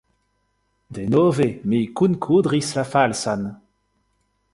Denove mi kunkudris la falsan!